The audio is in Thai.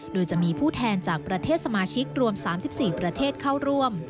โดยจะมีผู้แทนจากประเทศสมาชิกรวม๓๔ประเทศเข้าร่วม